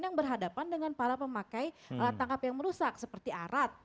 yang berhadapan dengan para pemakai alat tangkap yang merusak seperti arat